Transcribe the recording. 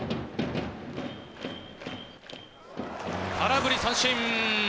空振り三振。